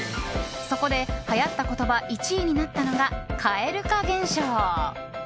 そこではやった言葉１位になったのが蛙化現象。